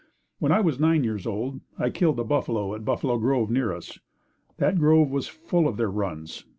When I was nine years old I killed a buffalo at Buffalo Grove near us. That grove was full of their runs.